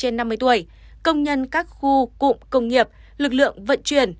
trên năm mươi tuổi công nhân các khu cụm công nghiệp lực lượng vận chuyển